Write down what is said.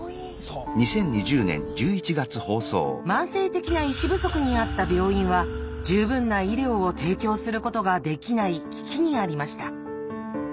慢性的な医師不足にあった病院は十分な医療を提供することができない危機にありました。